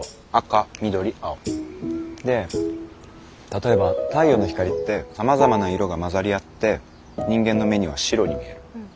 例えば太陽の光ってさまざまな色が混ざり合って人間の目には白に見える。